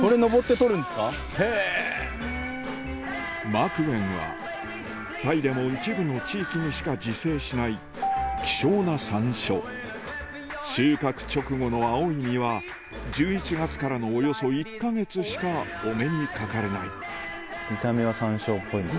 マクウェンはタイでも一部の地域にしか自生しない希少な山椒収穫直後の青い実は１１月からのおよそ１か月しかお目にかかれない見た目は山椒っぽいんです。